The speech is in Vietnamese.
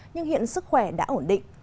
nhưng hiện sức khỏe đã ổn định